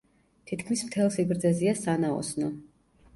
თითქმის მთელ სიგრძეზეა სანაოსნო.